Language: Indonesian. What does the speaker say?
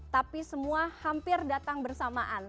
tapi semua hampir datang bersamaan